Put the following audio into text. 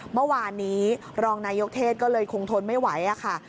เมื่อวานนี้รองนายกเทศก็เลยคงทนไม่ไหวค่ะ